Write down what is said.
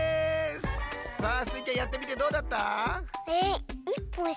さあスイちゃんやってみてどうだった？